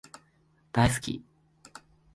大好き